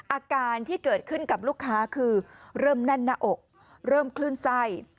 อาการที่เกิดขึ้นกับลูกค้าคือเริ่มแน่นหน้าอกเริ่มคลื่นไส้